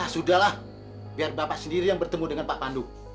sudahlah biar bapak sendiri yang bertemu dengan pak pandu